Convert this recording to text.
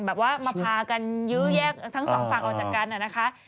แบบว่ามาพากันยื้อแยกทั้งสองฝั่งออกจากกันนะคะ